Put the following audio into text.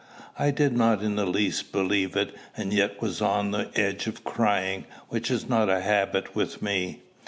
I did not in the least believe it, and yet was on the edge of crying, which is not a habit with me.